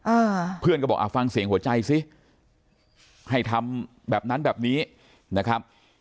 อ่าเพื่อนก็บอกอ่าฟังเสียงหัวใจสิให้ทำแบบนั้นแบบนี้นะครับ